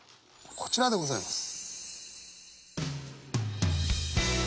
こちらでございます。